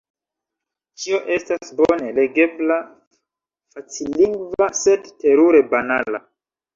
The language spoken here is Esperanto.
Ĉio estas bone legebla, facillingva, sed – terure banala!